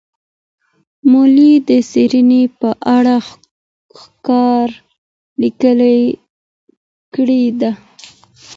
مولي د څېړني په اړه ښکاره لیکنه کړې ده.